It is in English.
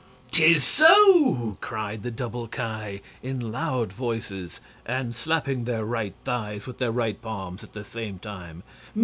"'Tis so!" cried the double Ki, in loud voices, and slapping their right thighs with their right palms at the same time.